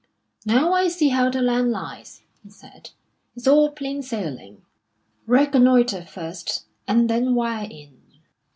"Now I see how the land lies," he said, "it's all plain sailing. Reconnoitre first, and then wire in."